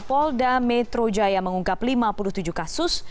polda metro jaya mengungkap lima puluh tujuh kasus